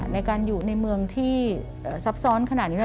ในการอยู่ในเมืองที่ซับซ้อนขนาดนี้